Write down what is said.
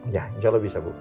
ya insya allah bisa bu